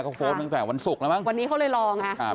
เขาโพสต์ตั้งแต่วันศุกร์แล้วมั้งวันนี้เขาเลยลองไงครับ